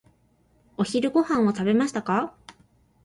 お昼ご飯を食べましたか？